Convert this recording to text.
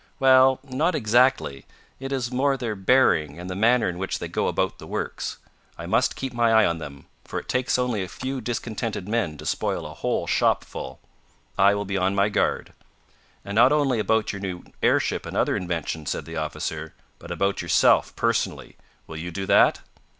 "Well, not exactly; it is more their bearing, and the manner in which they go about the works. I must keep my eye on them, for it takes only a few discontented men to spoil a whole shop full. I will be on my guard." "And not only about your new airship and other inventions," said the officer, "but about yourself, personally. Will you do that?"